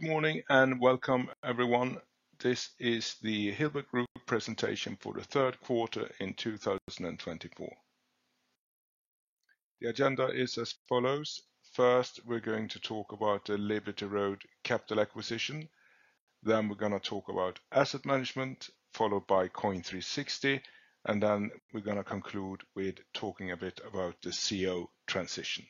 Good morning and welcome, everyone. This is the Hilbert Group presentation for the third quarter in 2024. The agenda is as follows: first, we're going to talk about the Liberty Road Capital acquisition; then we're going to talk about asset management, followed by Coin360; and then we're going to conclude with talking a bit about the CEO transition,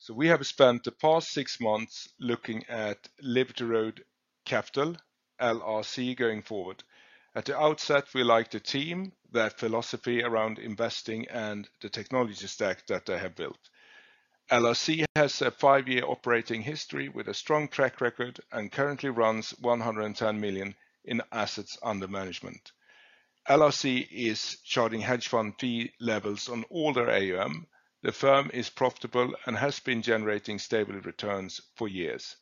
so we have spent the past six months looking at Liberty Road Capital (LRC) going forward. At the outset, we like the team, their philosophy around investing, and the technology stack that they have built. LRC has a five-year operating history with a strong track record and currently runs 110 million in assets under management. LRC is charging hedge fund fee levels on all their AUM. The firm is profitable and has been generating stable returns for years.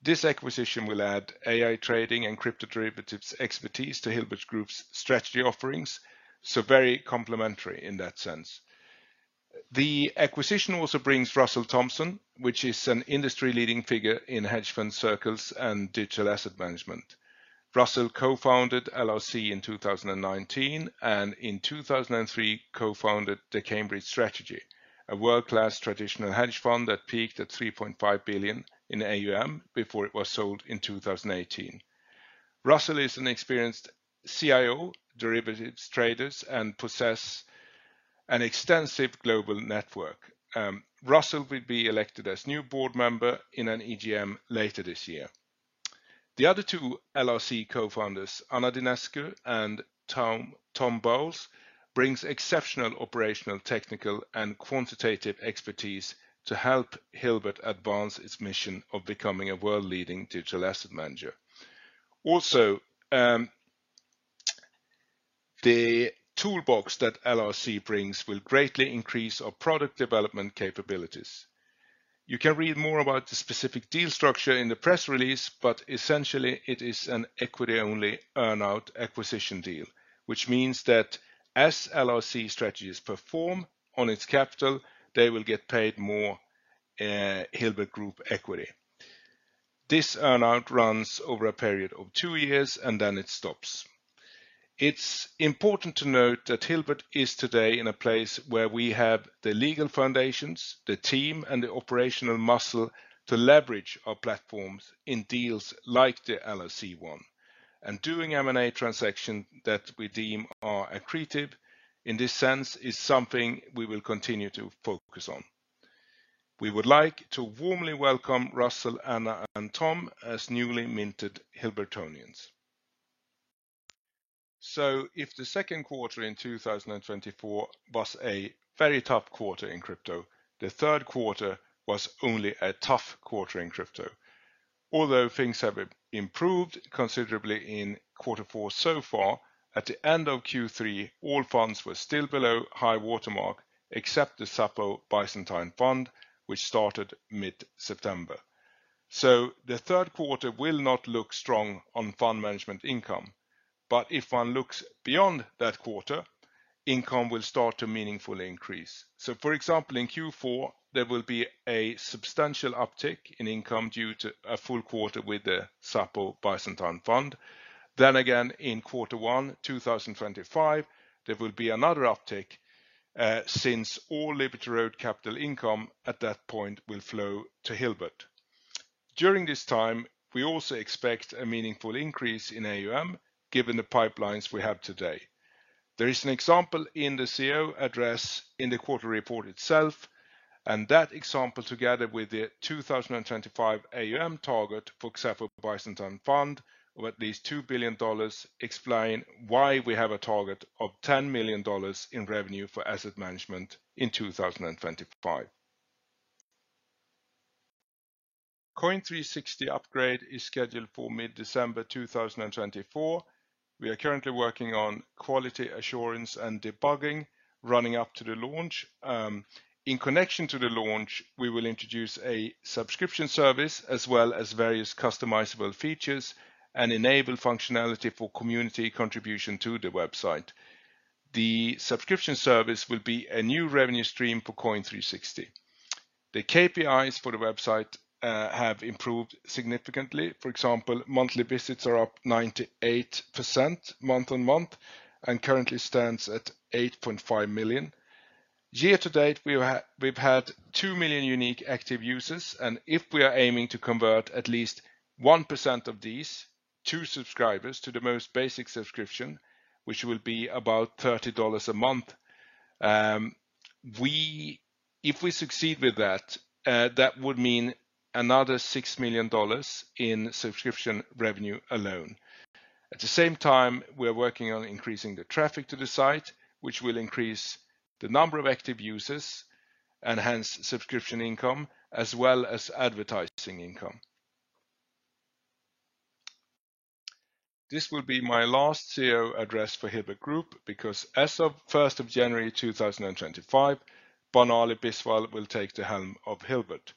This acquisition will add AI trading and crypto derivatives expertise to Hilbert Group's strategy offerings, so very complementary in that sense. The acquisition also brings Russell Thompson, which is an industry-leading figure in hedge fund circles and digital asset management. Russell co-founded LRC in 2019 and in 2003 co-founded the Cambridge Strategy, a world-class traditional hedge fund that peaked at 3.5 billion in AUM before it was sold in 2018. Russell is an experienced CIO, derivatives trader, and possesses an extensive global network. Russell will be elected as new board member in an EGM later this year. The other two LRC co-founders, Anna Dinescu and Tom Bowles, bring exceptional operational, technical, and quantitative expertise to help Hilbert advance its mission of becoming a world-leading digital asset manager. Also, the toolbox that LRC brings will greatly increase our product development capabilities. You can read more about the specific deal structure in the press release, but essentially it is an equity-only earnout acquisition deal, which means that as LRC strategies perform on its capital, they will get paid more Hilbert Group equity. This earnout runs over a period of two years, and then it stops. It's important to note that Hilbert is today in a place where we have the legal foundations, the team, and the operational muscle to leverage our platforms in deals like the LRC one and doing M&A transactions that we deem are accretive. In this sense, it is something we will continue to focus on. We would like to warmly welcome Russell, Anna, and Tom as newly minted Hilbertonians. So if the second quarter in 2024 was a very tough quarter in crypto, the third quarter was only a tough quarter in crypto. Although things have improved considerably in Q4 so far, at the end of Q3, all funds were still below high-water mark, except the Xapo Byzantine Fund, which started mid-September, so the third quarter will not look strong on fund management income, but if one looks beyond that quarter, income will start to meaningfully increase, so for example, in Q4, there will be a substantial uptick in income due to a full quarter with the Xapo Byzantine Fund, then again, in Q1 2025, there will be another uptick since all Liberty Road Capital income at that point will flow to Hilbert. During this time, we also expect a meaningful increase in AUM given the pipelines we have today. There is an example in the CEO address in the quarter report itself, and that example, together with the 2025 AUM target for Xapo Byzantine Fund of at least $2 billion, explains why we have a target of $10 million in revenue for asset management in 2025. Coin360 upgrade is scheduled for mid-December 2024. We are currently working on quality assurance and debugging running up to the launch. In connection to the launch, we will introduce a subscription service as well as various customizable features and enable functionality for community contribution to the website. The subscription service will be a new revenue stream for Coin360. The KPIs for the website have improved significantly. For example, monthly visits are up 98% month on month and currently stand at 8.5 million. Year to date, we've had 2 million unique active users, and if we are aiming to convert at least 1% of these to subscribers to the most basic subscription, which will be about $30 a month, if we succeed with that, that would mean another $6 million in subscription revenue alone. At the same time, we are working on increasing the traffic to the site, which will increase the number of active users and hence subscription income as well as advertising income. This will be my last CEO address for Hilbert Group because as of 1 January 2025, Barnali Biswal will take the helm of Hilbert.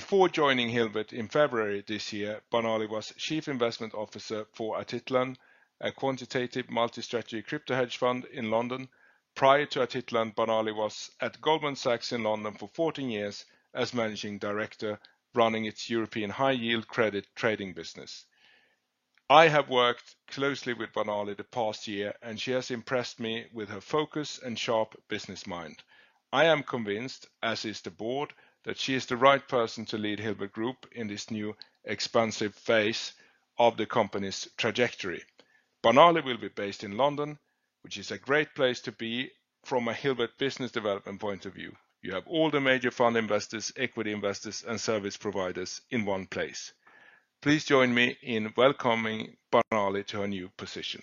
Before joining Hilbert in February this year, Barnali was Chief Investment Officer for Atitlan, a quantitative multi-strategy crypto hedge fund in London. Prior to Atitlan, Barnali was at Goldman Sachs in London for 14 years as Managing Director, running its European high-yield credit trading business. I have worked closely with Barnali the past year, and she has impressed me with her focus and sharp business mind. I am convinced, as is the board, that she is the right person to lead Hilbert Group in this new expansive phase of the company's trajectory. Barnali will be based in London, which is a great place to be from a Hilbert business development point of view. You have all the major fund investors, equity investors, and service providers in one place. Please join me in welcoming Barnali to her new position.